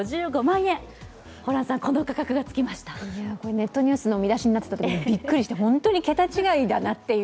ネットニュースの見出しになっていたときに、びっくりして本当に桁違いだなという。